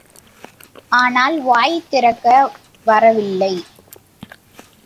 ஆனால், வாய் திறக்க வரவில்லை.